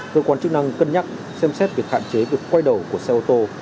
cơ quan chức năng cân nhắc xem xét việc hạn chế việc quay đầu của xe ô tô